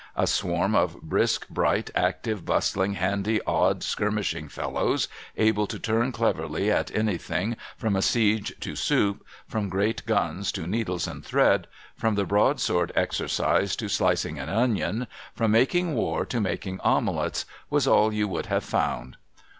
A swarm of brisk, bright, active, bustling, handy, odd, skirmishing fellows, able to turn cleverly at anything, from a siege to soup, from great guns to needles and thread, from the broadsword exercise to slicing an onion, from making war to making omelets, was all you would have found.